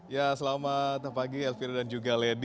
ya selamat pagi elvira dan juga lady